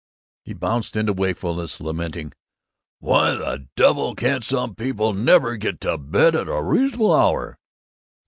He bounced into wakefulness, lamenting, "Why the devil can't some people never get to bed at a reasonable hour?"